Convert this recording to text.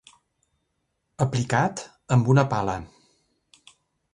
Aplicat amb una pala